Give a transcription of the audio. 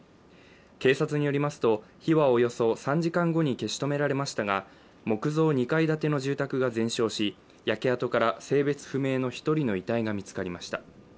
警察によりますと火はおよそ３時間後に消し止められましたが木造２階建ての住宅が全焼し焼け跡から性別不明の１人の遺体が見つかりました。